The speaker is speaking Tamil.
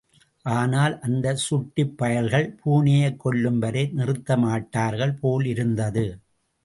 ஆனால் அந்தச் சுட்டிப் பயல்கள் பூனையைக் கொல்லும் வரை நிறுத்தமாட்டார்கள் போலிருந்தது.